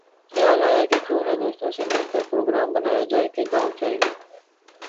خیال آیا کہ کیوں نہ دوستوں سے مل کر پروگرام بنایا جائے کہ گاؤں جائیں گے